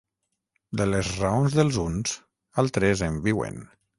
De les raons dels uns, altres en viuen.